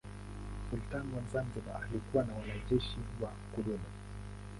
Sultani wa Zanzibar alikuwa na wanajeshi wa kudumu.